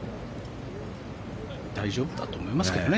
大丈夫だと思いますけどね